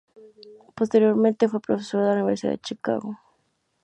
Posteriormente, fue profesor de la Universidad de Chicago.